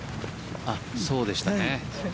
そうでしたね。